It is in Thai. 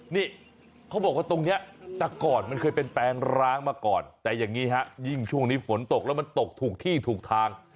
นี่เขาบอกว่าตรงนี้แต่ก่อนมันเคยเป็นแปลงร้างมาก่อนแต่อย่างนี้ฮะยิ่งช่วงนี้ฝนตกแล้วมันตกถูกที่ถูกทาง